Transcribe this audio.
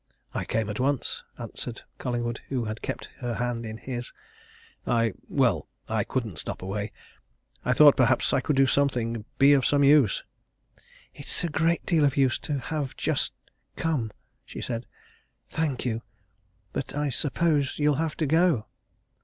"I came at once," answered Collingwood, who had kept her hand in his. "I well, I couldn't stop away. I thought, perhaps, I could do something be of some use." "It's a great deal of use to have just come," she said. "Thank you! But I suppose you'll have to go?"